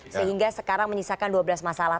sehingga sekarang menyisakan dua belas masalah